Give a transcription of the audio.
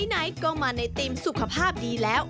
ไหนก็มาในธีมสุขภาพดีแล้ว